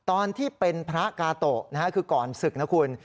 ตอนที่เป็นพระกาโตะคือก่อนศึกนะคุณ